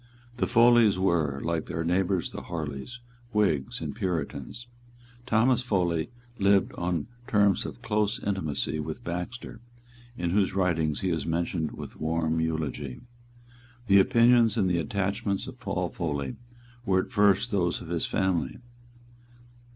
The Foleys were, like their neighbours the Harleys, Whigs and Puritans. Thomas Foley lived on terms of close intimacy with Baxter, in whose writings he is mentioned with warm eulogy. The opinions and the attachments of Paul Foley were at first those of his family.